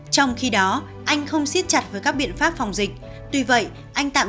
trong khi đó anh không xiết chặt với các biện pháp phòng dịch